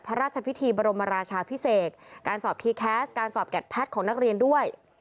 พระราชพิธีบรมราชาพิเศษการสอบทีแคสต์การสอบแกดแพทย์ของนักเรียนด้วย